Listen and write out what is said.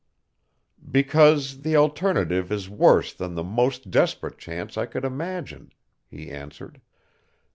"Because the alternative is worse than the most desperate chance I could imagine," he answered.